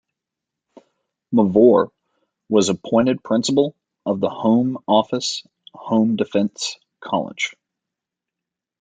Mavor was appointed Principal of the Home Office Home Defence College.